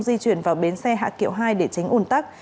di chuyển vào bến xe hạ kiệu hai để tránh ủn tắc